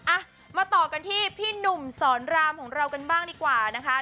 อ่ะมาต่อกันที่พี่หนุ่มสอนรามของเรากันบ้างดีกว่านะคะ